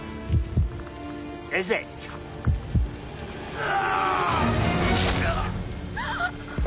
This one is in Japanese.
ああ。